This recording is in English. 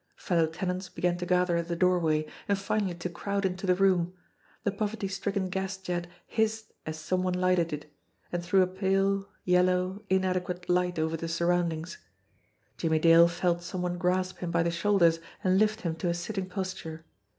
Fellow tenants began to gather at the doorway, and finally to crowd into the room. The poverty stricken gas jet hissed as some one lighted it, and threw a pale, yellow, inadequate light over the surroundings. Jimmie Dale felt some one grasp him by the shoulders and lift him to a sitting posture.